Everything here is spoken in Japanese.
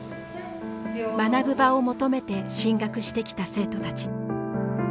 学ぶ場を求めて進学してきた生徒たち。